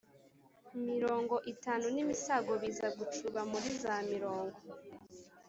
mirongo itanu n'im isago biza gucuba muri za mirongo